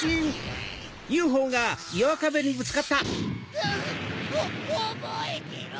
うっおぼえてろ！